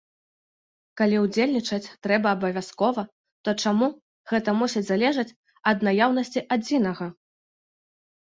Калі ўдзельнічаць трэба абавязкова, то чаму гэта мусіць залежаць ад наяўнасці адзінага?